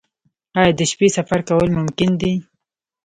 آیا د شپې سفر کول ممکن دي؟